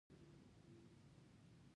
پیرودونکی د نرخ په اړه مطمین شو.